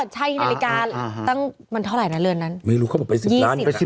ใช่นาฬิกาตั้งมันเท่าไหร่นะเรือนนั้นไม่รู้เขาบอกไป๑๐ล้าน